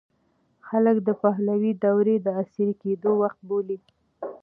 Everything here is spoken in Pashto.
خلک د پهلوي دوره د عصري کېدو وخت بولي.